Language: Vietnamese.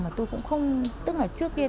mà tôi cũng không tức là trước kia